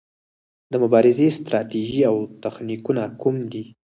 د مبارزې ستراتیژي او تخنیکونه کوم دي؟